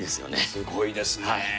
すごいですね。